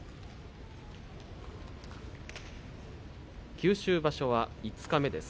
九州場所は五日目です。